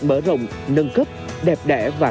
mở rộng nâng cấp đẹp đẽ và